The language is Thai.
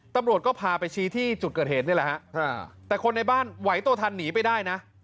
ตำรวจก็พาไปชี้ที่จุดเกิดเหตุนี่แหละฮะแต่คนในบ้านไหวตัวทันหนีไปได้นะ